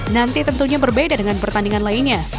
nanti tentunya berbeda dengan pertandingan lainnya